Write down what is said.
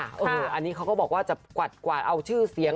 อันนี้เขาก็บอกว่าจะกวาดเอาชื่อเสียง